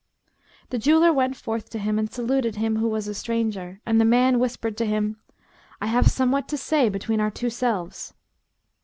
The jeweller went forth to him and saluted him who was a stranger; and the man whispered to him, "I have somewhat to say between our two selves."